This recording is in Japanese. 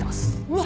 わっ！